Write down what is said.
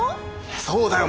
そうだよ。